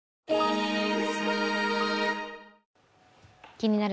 「気になる！